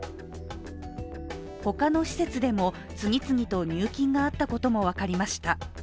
他の施設でも次々と入金があったことも分かりました。